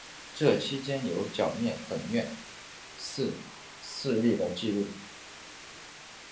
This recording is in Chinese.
这期间有剿灭本愿寺势力的纪录。